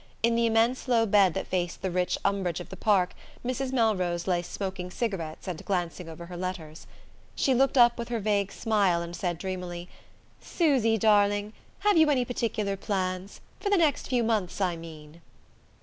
In the immense low bed that faced the rich umbrage of the park Mrs. Melrose lay smoking cigarettes and glancing over her letters. She looked up with her vague smile, and said dreamily: "Susy darling, have you any particular plans for the next few months, I mean?"